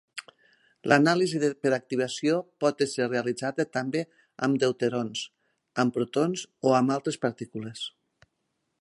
L’anàlisi per activació pot ésser realitzada també amb deuterons, amb protons o amb altres partícules.